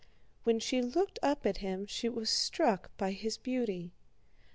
When she looked up at him she was struck by his beauty.